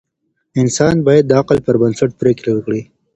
انسان باید د عقل پر بنسټ پریکړې وکړي.